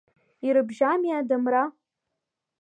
Ирыбжьами адамра.